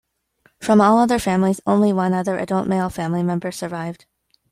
From all other families, only one other adult male family member survived.